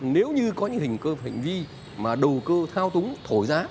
nếu như có những hình cơ hành vi mà đầu cơ thao túng thổi giá